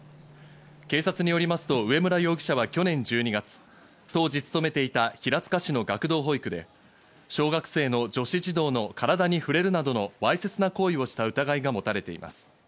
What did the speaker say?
警察によりますと植村容疑者は去年１２月、当時勤めていた平塚市の学童保育で小学生の女子児童の体に触れるなどのわいせつな行為をした疑いが持たれています。